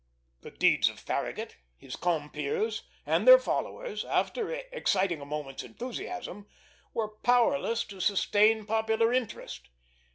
The deeds of Farragut, his compeers, and their followers, after exciting a moment's enthusiasm, were powerless to sustain popular interest.